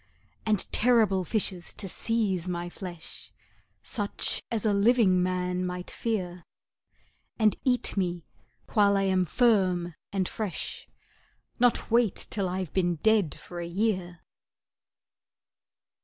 And terrible fishes to seize my flesh, Such as a living man might fear, And eat me while I am firm and fresh, Not wait till I've been dead for a year!